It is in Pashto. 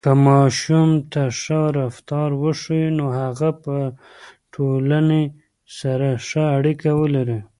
که ماشوم ته ښه رفتار وښیو، نو هغه به ټولنې سره ښه اړیکه ولري.